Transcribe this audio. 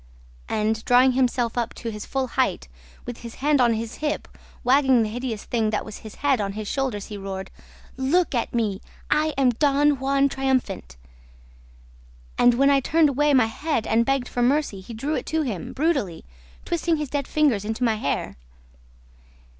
And, drawing himself up to his full height, with his hand on his hip, wagging the hideous thing that was his head on his shoulders, he roared, 'Look at me! I AM DON JUAN TRIUMPHANT!' And, when I turned away my head and begged for mercy, he drew it to him, brutally, twisting his dead fingers into my hair."